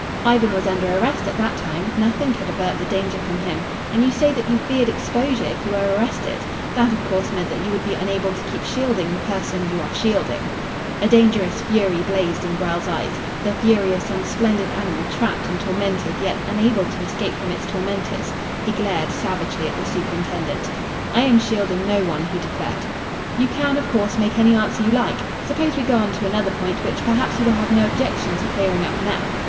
"Ivan was under arrest at that time. Nothing could avert the danger from him. And you say that you feared exposure if you were arrested. That, of course, meant that you would be unable to keep shielding the person you are shielding?" A dangerous fury blazed in Grell's eyes the fury of some splendid animal trapped and tormented yet unable to escape from its tormentors. He glared savagely at the superintendent. "I am shielding no one," he declared. "You can, of course, make any answer you like. Suppose we go on to another point which perhaps you will have no objection to clearing up now.